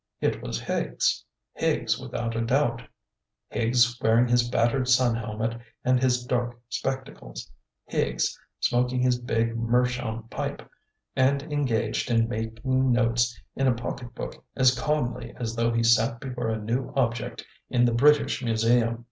It was Higgs, Higgs without a doubt; Higgs wearing his battered sun helmet and his dark spectacles; Higgs smoking his big meerschaum pipe, and engaged in making notes in a pocket book as calmly as though he sat before a new object in the British Museum.